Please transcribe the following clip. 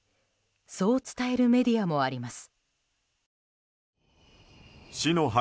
そう伝えるメディアもあります。